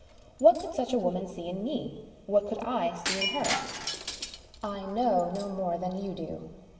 What could such a woman see in me? what could I see in her? I know no more than you do.